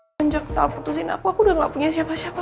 sejak sel putusin aku udah nggak punya siapa